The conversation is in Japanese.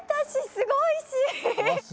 すごいし！